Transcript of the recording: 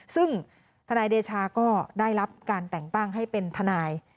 ซึ่งทนายเดชาก็ได้รับการแต่งตั้งให้เป็นทนาย